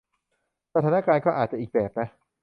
สถานการณ์ก็อาจจะอีกแบบนะ